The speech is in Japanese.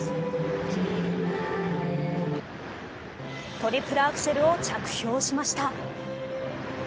トリプルアクセルを着氷しました。